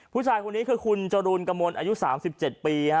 ผู้ชายคนนี้คือคุณจรูนกมลอายุ๓๗ปี